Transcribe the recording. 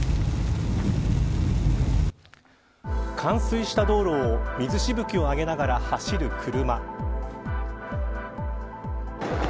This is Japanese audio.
冠水した道路を水しぶきを上げながら走る車。